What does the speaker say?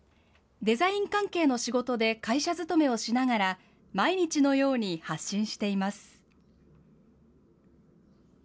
デザイン関係の仕事で会社勤めをしながら、毎日のように発信しています。